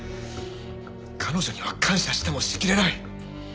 彼女には感謝してもしきれない。